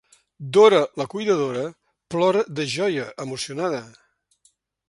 Dora la cuidadora plora de joia, emocionada.